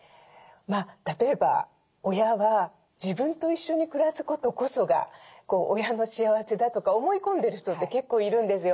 例えば親は自分と一緒に暮らすことこそが親の幸せだとか思い込んでる人って結構いるんですよ。